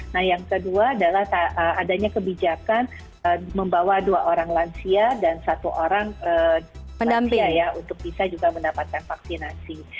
nah yang kedua adalah adanya kebijakan membawa dua orang lansia dan satu orang lansia ya untuk bisa juga mendapatkan vaksinasi